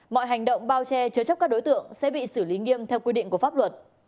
mọi hành động bao che chứa chấp các đối tượng sẽ bị xử lý nghiêm theo quy định của pháp luật